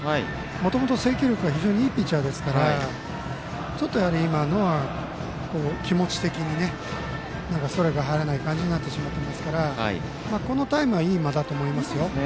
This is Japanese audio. もともと制球力が非常にいいピッチャーですからちょっと今のは気持ち的にストライクが入らない感じになってしまってますからこのタイムはいい間だと思います。